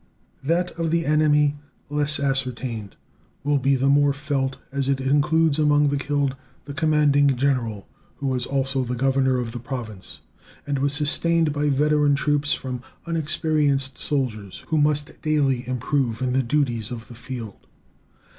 That of the enemy, less ascertained, will be the more felt, as it includes among the killed the commanding general, who was also the governor of the Province, and was sustained by veteran troops from unexperienced soldiers, who must daily improve in the duties of the field.